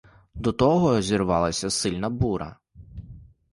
До того зірвалася сильна буря.